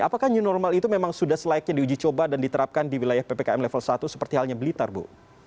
apakah new normal itu memang sudah selayaknya diuji coba dan diterapkan di wilayah ppkm level satu seperti halnya blitar bu